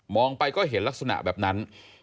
ไปก็เห็นลักษณะแบบนั้น